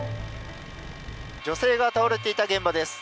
女性が倒れていた現場です。